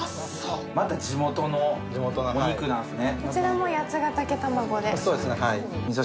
また地元のお肉なんですね。